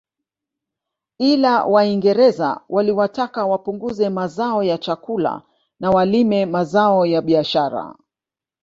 Ila waingereza waliwataka wapunguze mazao ya chakula na walime mazao ya biashara